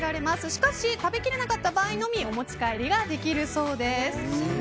しかし食べきれなかった場合のみお持ち帰りできるそうです。